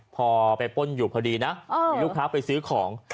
พอไปป้นอยู่พอดีนะมีลูกค้าไปซื้อของ